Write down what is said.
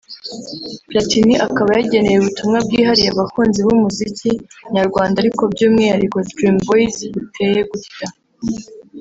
Platini akaba yageneye ubutumwa bwihariye abakunzi b’umuziki nyarwanda ariko by’umwihariko Dream boys buteye gutya